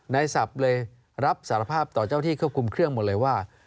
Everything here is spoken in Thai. ศัพท์เลยรับสารภาพต่อเจ้าที่ควบคุมเครื่องหมดเลยว่า